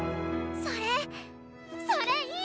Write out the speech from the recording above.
それそれいい！